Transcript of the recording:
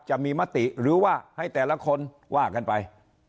จะมีมติหรือว่าให้แต่ละคนว่ากันไป